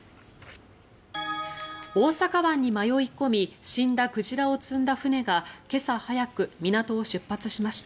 大阪湾に迷い込み、死んだ鯨を積んだ船が今朝早く、港を出発しました。